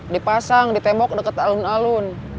dipasang di tembok dekat alun alun